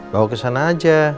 bawa kesana aja